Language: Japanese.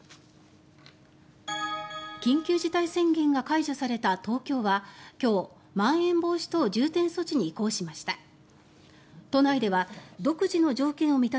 緊急事態宣言が解除された東京は今日、まん延防止等重点措置に移行しました。